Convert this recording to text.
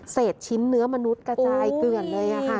ชิ้นเนื้อมนุษย์กระจายเกลือนเลยค่ะ